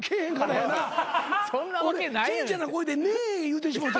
俺ちいちゃな声で子言うてしもうた。